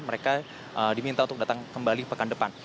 mereka diminta untuk datang kembali pekan depan